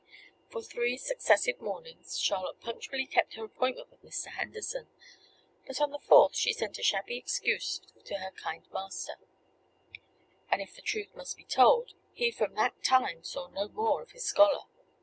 For three successive mornings Charlotte punctually kept her appointment with Mr. Henderson; but on the fourth she sent a shabby excuse to her kind master; and, if the truth must be told, he from that time saw no more of his scholar.